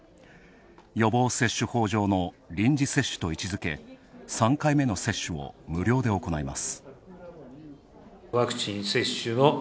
予防接種法上の臨時接種と位置づけ、３回目の接種を無料で行います。